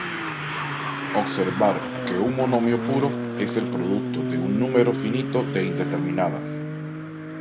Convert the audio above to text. Observar que un monomio puro es el producto de un número finito de indeterminadas.